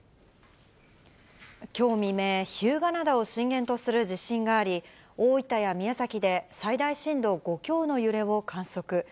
きょう未明、日向灘を震源とする地震があり、大分や宮崎で最大震度５強の揺れを観測。